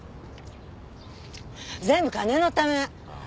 全部金のため。